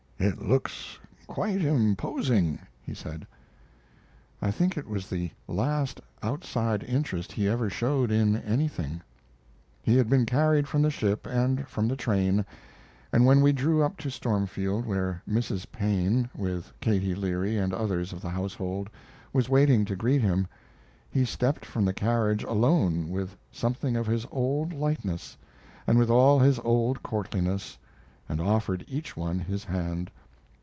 "It looks quite imposing," he said. I think it was the last outside interest he ever showed in anything. He had been carried from the ship and from the train, but when we drew up to Stormfield, where Mrs. Paine, with Katie Leary and others of the household, was waiting to greet him, he stepped from the carriage alone with something of his old lightness, and with all his old courtliness, and offered each one his hand.